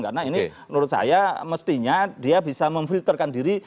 karena ini menurut saya mestinya dia bisa memfilterkan diri